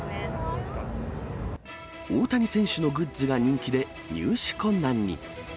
大谷選手のグッズが人気で、入手困難に。